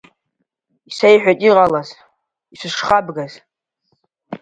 Исеиҳәеит иҟалаз, ишысхабгаз…